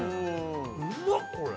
うまっこれ！